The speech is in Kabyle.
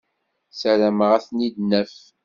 Ssarameɣ ad ten-id-naf.